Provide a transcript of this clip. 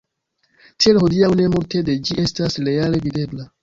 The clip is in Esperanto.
Tiel hodiaŭ ne multe de ĝi estas reale videbla.